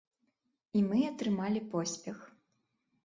І мы атрымалі поспех.